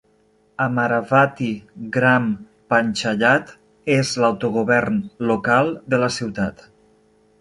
Amaravathi gram panchayat és l'autogovern local de la ciutat.